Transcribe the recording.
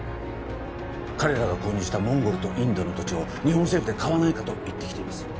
彼らが購入したモンゴルとインドの土地を日本政府で買わないかと言ってきています